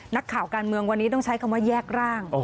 นักข่าวการเมืองวันนี้ต้องใช้คำว่าแยกร่าง